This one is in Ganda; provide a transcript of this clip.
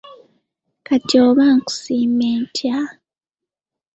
Kati oba nkusiime ntya?